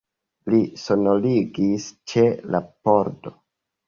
Li sonorigis ĉe la pordo.